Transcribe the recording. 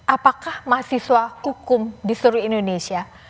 apakah mahasiswa hukum di seluruh indonesia